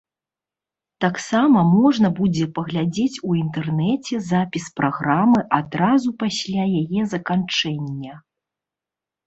Таксама можна будзе паглядзець у інтэрнэце запіс праграмы адразу пасля яе заканчэння.